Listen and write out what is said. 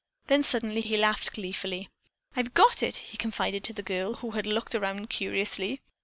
Then suddenly he laughed gleefully. "I've got it!" he confided to the girl, who had looked around curiously.